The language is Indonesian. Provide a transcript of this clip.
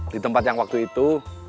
di tempat yang waktu itu